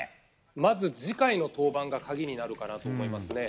まず、次回の登板が鍵になるかなと思います。